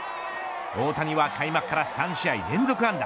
大谷は開幕から３試合連続安打。